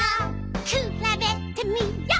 「くらべてみよう！」